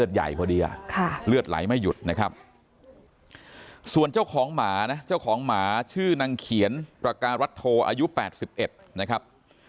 ส่วนเจ้าของหมานะเจ้าของหมาชื่อนางเขียนประกาศัตโทอายุ๘๑นะครับ